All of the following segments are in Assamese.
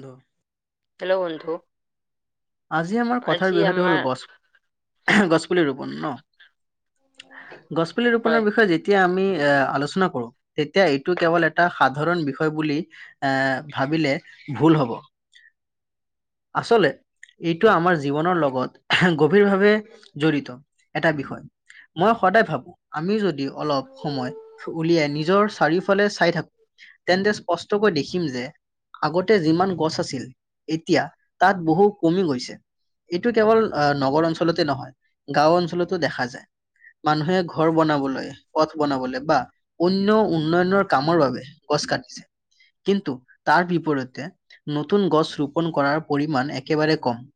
দ হেল্ল' বন্ধু আজি আমাৰ আজি কথাৰ বিষয়টো আমাৰ হ'ল গছ গছপুলি ৰোপন ন গছপুলি হয় ৰোপণৰ বিষয়ে যে যেতিয়া আমি এ আলোচনা কৰো তেতিয়া এইটো কেৱল এটা সাধাৰণ বিষয় বুলি। এ ভাবিলে ভুল হব। আচলে এইটো আমাৰ জীৱনৰ লগত গভীৰভাৱে জড়িত। এটা বিষয় মই সদায় ভাবো আমি যদিও অলপ সময় উলিয়াই নিজৰ চাৰিওফালে চাই থাকো তেন্তে স্পষ্টকৈ দেখিম যে আগতে যিমান গছ আছিল এতিয়া তাত বহু কমি গৈছে এইটো কেৱল নগৰ অঞ্চলতে নহয় গাঁও অঞ্চলতো দেখা যায়। মানুহে ঘৰ বনাবলৈ পথ বনাবলৈ বা অন্য উন্নয়নৰ কামৰ বাবে গছ কাটিছে কিন্তু তাৰ বিপৰীতে নতুন গছ ৰোপন কৰাৰ পৰিমাণ একেবাৰে কম।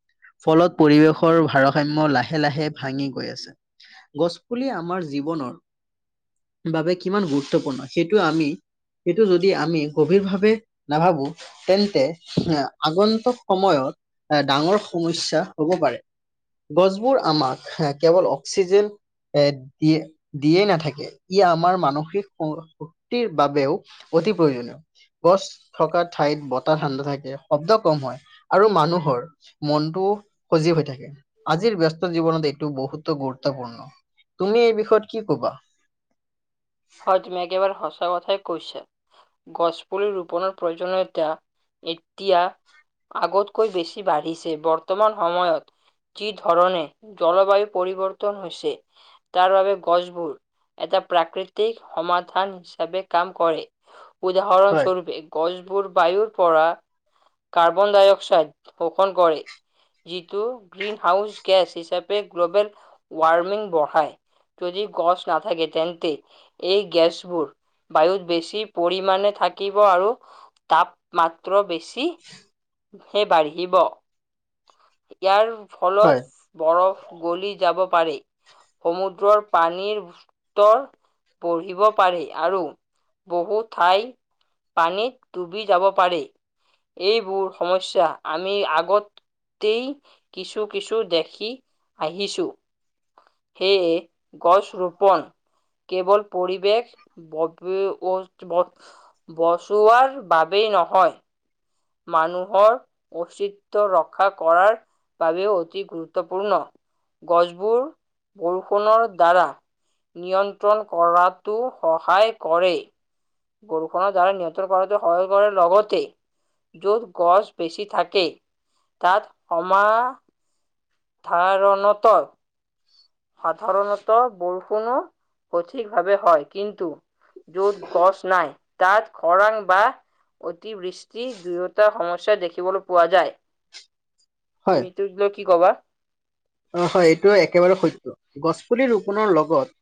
ফলত পৰিৱেশৰ ভাৰসাম্য লাহে লাহে ভাঙি গৈ আছে। গছপুলি আমাৰ জীৱনত বাবে কিমান গুৰুত্বপূৰ্ণ সেইটো আমি। সেইটো যদি আমি গভীৰভাৱে, নাভাবোঁ তেন্তে এয়া আগন্তুক। সময়ত, এ ডাঙৰ সমস্যা হ'ব পাৰে। গছবোৰ আমাক হয় কেৱল অক্সিজেন। এ, দিয়ে দিয়েই নাথাকে, ই আমাৰ মানসিক শ-শক্তিৰ বাবেও। অতি প্ৰয়োজনীয় গছ থকা ঠাইত বতাহ ঠাণ্ডা থাকে শব্দ কম হয়। আৰু মানুহৰ মনটো সজীৱ হৈ থাকে। উম', আজিৰ ব্যস্ত জীৱনত এইটো বহুতো গুৰুত্বপূৰ্ণ, তুমি এই বিষয়ত কি কবা? হয় তুমি একেবাৰে সঁচা কথাই কৈছা। গছপুলি ৰোপণৰ প্ৰয়োজনীয়তা এতিয়া। আগতকৈ বেছি বাঢ়িছে বৰ্তমান সময়ত। যি ধৰণে জলবায়ু পৰিৱৰ্তন হৈছে। তাৰ বাবে গছবোৰ এটা প্ৰাকৃতি প্ৰাকৃতিক সমাধান হিচাপে কাম কৰে হয়, উদাহৰণস্বৰূপে। গছবোৰ বায়ুৰ পৰা কাৰ্বন-ডাই-অক্সাইড শোষণ কৰে। যিটো গ্ৰীণ হাউচ গেচ হিচাপে গ্লোবেল ৱাৰ্মিং বঢ়ায়। যদি গছ নাথাকে তেন্তে। এই গেছবোৰ, বায়ুত বেছি পৰিমাণে থাকিব আৰু। তাপমাত্ৰ বেছি। সে বাঢ়িব, ইয়াৰ ফলত। হয়, বৰফ গলি যাব পাৰি, সমুদ্ৰৰ পানীৰ স্তৰ। পঢ়িব পাৰি আৰু বহু ঠাই। পানীত ডুবি যাব পাৰি, এইবোৰ সমস্যা আমি আগত। তেই কিছু কিছু দেখি আহিছোঁ। সেয়ে গছ ৰোপণ। কেৱল পৰিৱেশ। [unintelligible] বচোৱাৰ বাবেই নহয়। মানুহৰ অস্তিত্ব ৰক্ষা কৰাৰ বাবেও অতি গুৰুত্বপূৰ্ণ। গছবোৰ বৰষুণৰ দ্বাৰা। নিয়ন্ত্ৰণ কৰাতো সহায় কৰে। বৰষুণৰ দ্বাৰা নিয়ন্ত্ৰণ কৰাটো সহায় কৰাৰ লগতে। য'ত গছ বেছি থাকেই, তাত সমা ধাৰণত। সাধাৰণত বৰষুণো সঠিক ভাৱে হয়, কিন্তু। য'ত গছ নাই, তাত খৰাং বা। অতি বৃষ্টি, দুয়োটা সমস্যা দেখিবলৈ পোৱা যায়। হয়, তুমি এইটোক লৈ কি কবা? অ হয়, এইটোয়ে একেবাৰে সত্য, গছপুলি ৰোপণৰ লগত।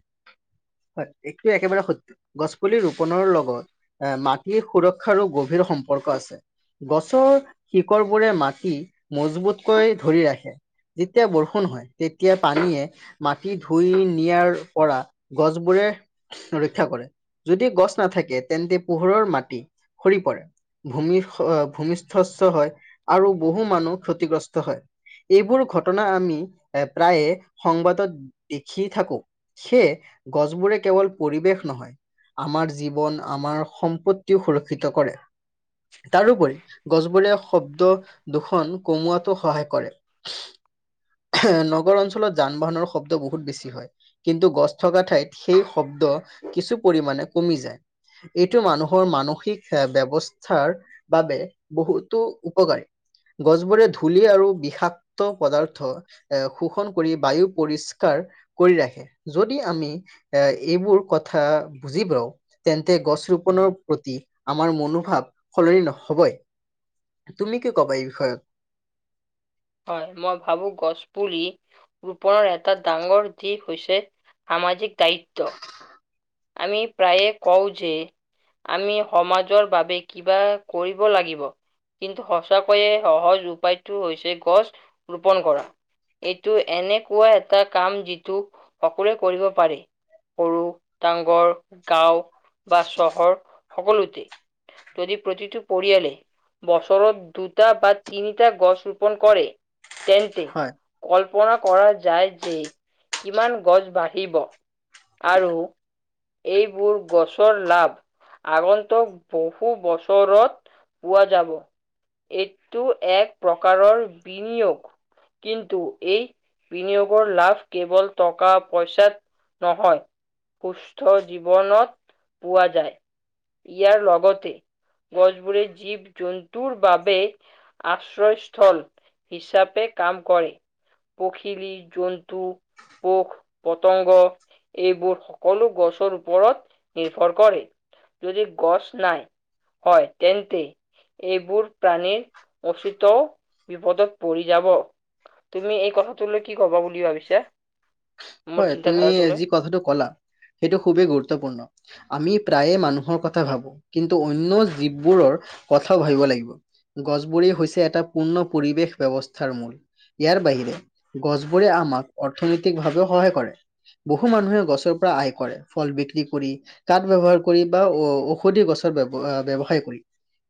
হয়, এইটো একেবাৰে সত্য। গছপুলি ৰোপণৰ লগত, এ মাটিৰ সুৰক্ষাৰো গভীৰ সম্পৰ্ক আছে। গছৰ শিকৰবোৰে মাটি, মজবুতকৈ ধৰি ৰাখে। যেতিয়া বৰষুণ হয়, তেতিয়া পানীয়ে। মাটি ধুই নিয়াৰ পৰা গছবোৰে। ৰক্ষা কৰে, যদি গছ নাথাকে তেন্তে পোহৰৰ মাটি সৰি পৰে। ভূমি অহ', ভূমিষ্ঠস্থ হয়, আৰু বহু মানুহ ক্ষতিগ্ৰস্ত হয়। এইবোৰ ঘটনা আমি, প্ৰায়ে সংবাদত দেখিয়েই থাকোঁ। সেয়ে গছবোৰে কেৱল পৰিৱেশ নহয়। আমাৰ জীৱন, আমাৰ সম্পত্তিও সুৰক্ষিত কৰে। তাৰোপৰি গছবোৰে শব্দ দুখন কমোৱাটো সহায় কৰে। নগৰ অঞ্চলত যান-বাহনৰ শব্দ বহুত বেছি হয়। কিন্তু গছ থকা ঠাইত সেই শব্দ কিছু পৰিমাণে কমি যায়। এইটো মানুহৰ মানসিক অহ, ব্যৱস্থাৰ বাবে বহুতো উপকাৰী, গছবোৰে ধূলি আৰু বিষাক্ত পদাৰ্থ, এ শোষণ কৰি বায়ু পৰিষ্কাৰ কৰি ৰাখে। যদি আমি এ এইবোৰ কথা বুজি পাওঁ। তেন্তে গছ ৰোপনৰ প্ৰতি আমাৰ মনোভাৱ সলনি নহ'বই। তুমি কি ক'বা, এই বিষয়ত? হয়, মই ভাবোঁ গছ পুলি ৰোপনৰ এটা ডাঙৰ দিশ হৈছে সামাজিক দায়িত্ব। [unintelligible] আমি প্ৰায়ে কওঁ যে আমি সমাজৰ বাবে কিবা কৰিব লাগিব। কিন্তু সঁচাকৈয়ে সহজ উপায়টো হৈছে গছ ৰোপন কৰা। এইটো এনেকুৱা এটা কাম যিটো সকলোৱে কৰিব পাৰে, সৰু ডাংঘৰ, গাওঁ বা চহৰ সকলোতে। যদি প্ৰতিটো পৰিয়ালে বছৰত দুটা বা তিনিটা গছ ৰোপন কৰে তেন্তে হয়। কল্পনা কৰা যায় যে কিমান গছ বাঢ়িব আৰু এইবোৰ গছৰ লাভ। আগন্তুক বহু বছৰত পোৱা যাব। এইটো এক প্ৰকাৰৰ বিনিয়োগ। কিন্তু বিনিয়োগৰ লাভ কেবল টকা পইচাত নহয়। সুস্থ জীৱনত পোৱা যায়, ইয়াৰ লগতে গছবোৰে জীৱ-জন্তুৰ বাবে আশ্ৰয়স্থল। হিচাপে কাম কৰে। পখিলি, জন্তু, পোক-পতংগ এইবোৰ সকলো গছৰ ওপৰত নিৰ্ভৰ কৰে, যদি গছ নাই হয়, তেন্তে এইবোৰ প্ৰাণীৰ অচিত বিপদত পৰি যাব। তুমি এই কথাটোলৈ কি কবা বুলি ভাবিছা? মোৰ হয়, তুমি চিন্তাধাৰাটোলৈ যি কথাটো ক'লা সেইটো খুবেই গুৰুত্বপূৰ্ণ। আমি প্ৰায়ে মানুহৰ কথা ভাবোঁ কিন্তু অন্য জীৱবোৰৰ কথাও ভাবিব লাগিব। গছবোৰেই হৈছে এটা পূৰ্ণ পৰিৱেশ ব্যৱস্থাৰ মূল। ইয়াৰ বাহিৰে গছবোৰে আমাক অৰ্থনৈতিকভাৱেও সহায় কৰে। বহু মানুহে গছৰ পৰা আয় কৰে, ফল বিক্ৰী কৰি কাঠ ব্যৱহাৰ কৰি বা ঔ-ঔষধি গছৰ ব্য-ব্যৱসায় কৰি।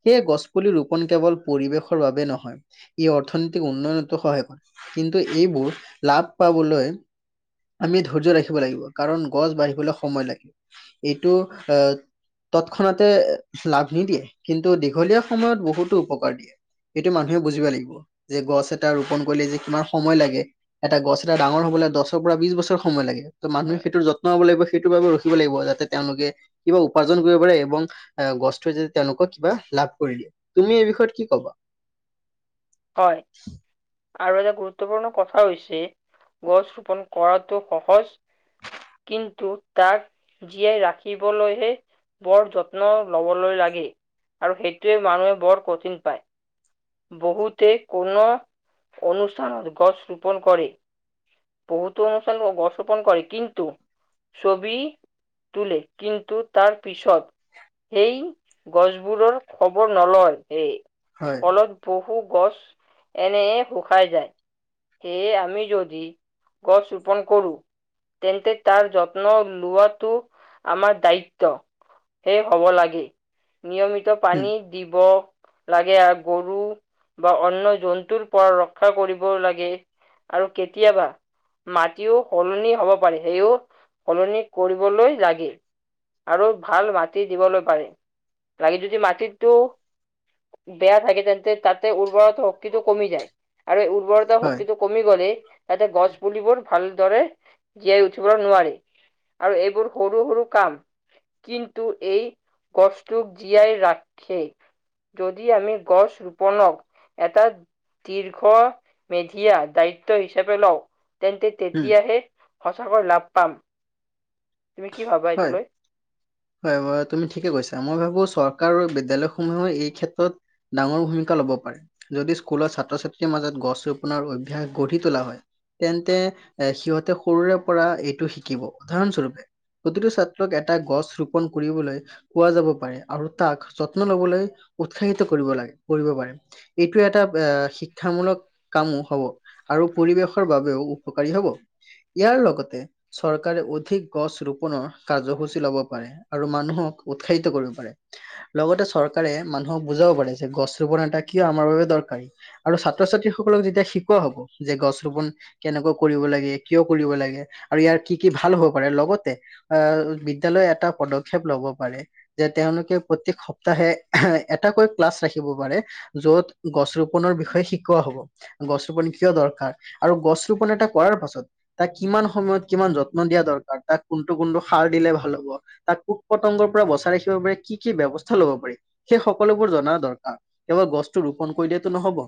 সেয়ে গছ পুলি ৰোপন কেৱল পৰিৱেশৰ বাবে নহয়। ই অৰ্থনীতিক উন্নয়নতো সহায় কৰে কিন্তু এইবোৰ লাভ পাবলৈ আমি ধৈৰ্য ৰাখিব লাগিব কাৰণ গছ বাঢ়িবলৈ সময় লাগি- এইটো আহ তৎক্ষণাতে লাভ নিদিয়ে কিন্তু দীঘলীয়া সময়ত বহুতো উপকাৰ দিয়ে। এইটো মানুহে বুজিবা লাগিব। যে গছ এটা ৰোপন কৰিলে যে কিমান সময় লাগে। এটা গছ এটা ডাঙৰ হবলৈ দচ ৰ পৰা বিছ বছৰ সময় লাগি যা। ত' মানুহে সেইটো যত্ন লব লাগিব। সেইটোৰ বাবে ৰখিব লাগিব, যাতে তেওঁলোকে কিবা উপাৰ্জন কৰিব পাৰে এবং আ গছটোৱে য তেওঁলোকক কিবা লাভ কৰি দিয়ে। তুমি এই বিষয়ত কি কবা? হয়। আৰু এটা গুৰুত্বপূৰ্ণ কথা হৈছে, গছ ৰোপন কৰাটো সহজ কিন্তু তাক জীয়াই ৰাখিবলৈহে বৰ যত্ন লবলৈ লাগে। আৰু সেইটোৱে মানুহে বৰ কঠিন পায়। বহুত তে কোনো অনুষ্ঠানত গছ ৰোপন কৰি বহুতো অনুষ্ঠান গছ ৰোপণ কৰি কিন্তু ছবি তোলে কিন্তু তাৰ পিছত সেই গছবোৰৰ খবৰ নলয়। সেই হয়, ফলত বহু গছ এনে শুকাই যায়। সেয়ে আমি যদি গছ ৰোপন কৰোঁ। তেন্তে তাৰ যত্ন লোৱাটো আমাৰ দায়িত্ব। শেখ হব লাগে। নিয়মিত উম, পানী দিব লাগে আ গৰু বা অন্যয় জন্তুৰ পৰা ৰক্ষা কৰিব লাগে আৰু কেতিয়াবা মাটিও সলনি হব পাৰি। সেইও সলনি কৰিবলৈ লাগে। আৰু ভাল মাটি দিবলৈ পাৰে। লাগি যদি মাটিটো বেয়া থাকে তেন্তে তাতে উৰ্বৰত শক্তিটো কমি যায়, আৰু এই উৰ্বৰতা হয়, শক্তিটো কমি গ'লে তাতে গছ পুলিবোৰ ভালদৰে জীয়াই উঠিব নোৱাৰে। আৰু এইবোৰ সৰু সৰু কাম। কিন্তু এই গছটোক জীয়াই ৰাখে। যদি আমি গছ ৰুপ বলক এটা দীৰ্ঘ মেধিয়া দায়িত্ব হিচাপে লও। তেন্তে উম, তেতিয়াহে সঁচাকৈ লাভ পাম। তুমি কি ভাবা এইটো হয়। লৈ? হয়, বাৱ তুমি ঠিকে কৈছা। মই ভাবো চৰকাৰ আৰু বিদ্যালয়সমূহেও এই ক্ষেত্ৰত ডাঙৰ ভূমিকা লব পাৰে। যদি স্কুলৰ ছাত্ৰ ছাত্ৰীৰ মাজত গছ ৰোপনৰ অভ্যাস গঢ়ি তোলা হয়। তেন্তে এ সিহঁতে সৰুৰে পৰা এইটো শিকিব। উদাহৰণ স্বৰূপে প্ৰতিটো ছাত্ৰক এটা গছ ৰোপন কৰিবলৈ পোৱা যাব পাৰে, আৰু তাক যত্ন লবলৈ উৎসাহিত কৰিব লাগে কৰিব পাৰে। এইটো এটা [unintelligible] শিক্ষামূলক কামো হব, আৰু পৰিৱেশৰ বাবেও উপকাৰী হব। ইয়াৰ লগতে চৰকাৰে অধিক গছ ৰূ পনৰ কাৰ্যসূচী লব পাৰে, আৰু মানুহক উৎসাহিত কৰিব পাৰে। লগতে চৰকাৰে মানুহক বুজাব পাৰে, যে গছ ৰোপন এটা কিয় আমাৰ বাবে দৰকাৰী। আৰু ছাত্ৰ ছাত্ৰীসকলক যেতিয়া শিকোৱা হব যে, গছ ৰোপন কেনেকই কৰিব লাগে, কিয় কৰিব লাগে, আৰু ইয়াৰ কি কি ভাল হব পাৰে, লগতে আহ বিদ্যালয় এটা পদক্ষেপ লব পাৰে। যে তেওঁলোকে প্ৰতেক সপ্তাহে এটাকৈ ক্লাছ ৰাখিব পাৰে। য'ত গছ ৰোপনৰ বিষয়ে শিকোৱা হ'ব। গছ ৰোপন কিয় দৰকাৰ, আৰু গছ ৰোপন এটা কৰাৰ পাছত তাক কিমান সময়ত কিমান যত্ন দিয়া দৰকাৰ তাক কোনটো কোনটো সাৰ দিলে ভাল হ'ব, তাক কূট-পতংগৰ পৰা বচাই ৰাখিব পাৰে কি কি ব্যৱস্থা ল'ব পাৰি। সেই সকলোবোৰ জনা দৰকাৰ, [unintelligible] গছটো ৰোপন কৰিলেতো নহব।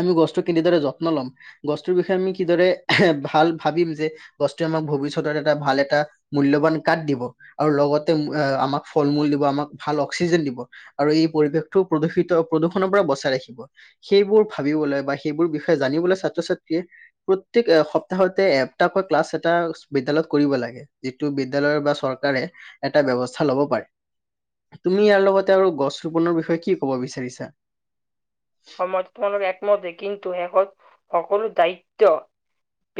আমি গছটো কেনে দৰে যত্ন ল'ম গছটোৰ বিষয়ে আমি কিদৰে [unintelligible] ভাল ভাবিম যে, গছটোৱে আমাক ভৱিষ্যতৰ এটা ভাল এটা মূল্যবান কাঠ দিব, আৰু লগতে আমাক ফল-মূল দিব, আমাক ভাল অক্সিজেন দিব। আৰু এই পৰিৱেশটো প্ৰদূষিত প্ৰদূষণৰ পৰা বচাই ৰাখিব। সেইবোৰ ভাবিবলৈ বা সেইবোৰ বিষয়ে জানিবলৈ ছাত্ৰ-ছাত্ৰীয়ে প্ৰত্যেক এ সপ্তাহতে এটাকৈ ক্লাছ এটা বিদ্যাললয়ত কৰিব লাগে। যিটো বিদ্যালয়ত বা চৰকাৰে এটা ব্যৱস্থা ল'ব পাৰে। তুমি ইয়াৰ লগতে আৰু গছ ৰোপনৰ বিষয়ে কি ক'ব বিচাৰিছা? সময় তোমালোক একমতে, কিন্তু শেষত সকলো দায়িত্ব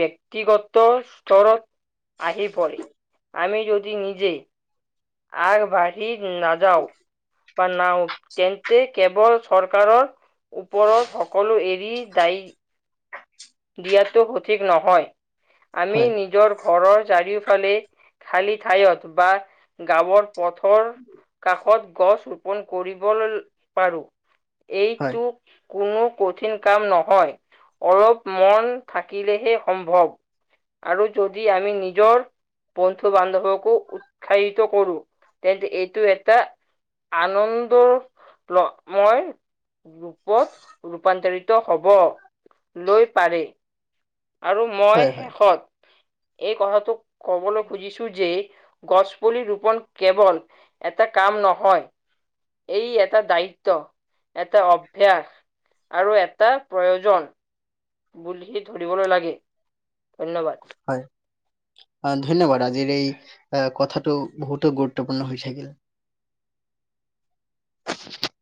ব্যক্তিগত স্তৰত আহি পৰে, আমি যদি নিজে আগ বাঢ়ি নাযাও বা [unintelligible] তেন্তে কেৱল চৰকাৰৰ ওপৰত সকলো এৰি দায়ী দিয়াতো সঠিক নহয়, আমি হয়, নিজৰ ঘৰৰ চাৰিওফালে খালী ঠাইয়ত বা গাঁৱৰ পথৰ কাষত গছ ৰোপন কৰিবলৈ পাৰো। হয়, এইটো কোনো কঠিন কাম নহয়, অলপ মন থাকিলেহে সম্ভৱ, আৰু যদি আমি নিজৰ বন্ধু-বান্ধবকো উৎসাহিত কৰো, [unintelligible] এইটো এটা আনন্দ ল মই ৰূপত ৰূপান্তৰিত হ'বলৈ পাৰে। আৰু মই হয়, হয়, শেষত এই কথাটোক কবলৈ খুজিছো। যে গছপুলি ৰোপন কেৱল এটা কাম নহয় এই এটা দায়িত্ব, এটা অভ্যাস। আৰু এটা প্ৰয়োজন [unintelligible] ধৰিবলৈ লাগে, ধন্যবাদ। হয়। অ', ধন্যবাদ আজিৰ এই কথাটো বহুতো গুৰুত্বপূৰ্ন হৈ থাকিল। [unintelligible]